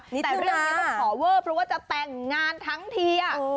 แต่เรื่องนี้ต้องขอเวอร์เพราะว่าจะแต่งงานทั้งที